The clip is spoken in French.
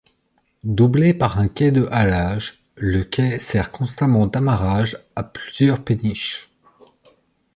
Doublé par un quai de halage, le quai sert constamment d'amarrage à plusieurs péniches.